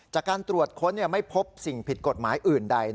จากการตรวจค้นไม่พบสิ่งผิดกฎหมายอื่นใด